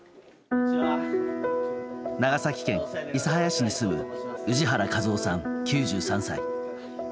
長崎県諫早市に住む氏原和雄さん、９３歳。